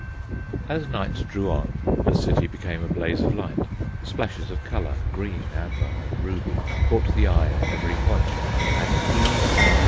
As night drew on, the city became a blaze of light. Splashes of colour, green, amber, and ruby, caught the eye at every point, and "E. R.